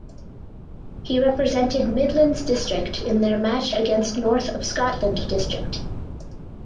He represented Midlands District in their match against North of Scotland District.